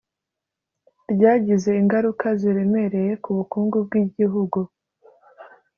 ryagize ingaruka ziremereye ku bukungu bw'igihugu